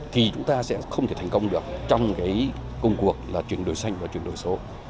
thì chúng ta sẽ không thể thành công được trong công cuộc là chuyển đổi xanh và chuyển đổi số